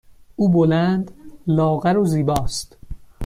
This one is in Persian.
او بلند، لاغر و زیبا است.